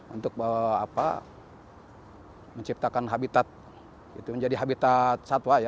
untuk menciptakan habitat menjadi habitat satwa ya